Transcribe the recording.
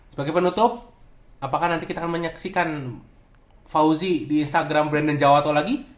sebagai penutup apakah nanti kita akan menyaksikan fauzi di instagram brandon jawato lagi